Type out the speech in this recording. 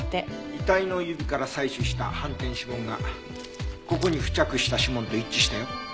遺体の指から採取した反転指紋がここに付着した指紋と一致したよ。